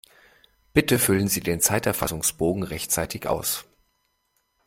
Bitte füllen Sie den Zeiterfassungsbogen rechtzeitig aus!